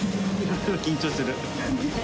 緊張する。